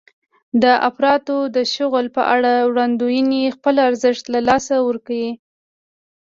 د افرادو د شغل په اړه وړاندوېنې خپل ارزښت له لاسه ورکړ.